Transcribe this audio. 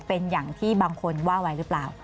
เป็นอย่างที่บางคนว่าไว้หรือเปล่า